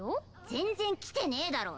全然来てねえだろ！